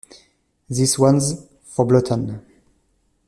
This One's for Blanton!